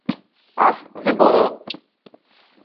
Αχ, δεν μπορώ!